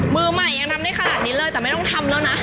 มือใหม่ยังทำได้ขนาดนี้เลยแต่ไม่ต้องทำแล้วนะ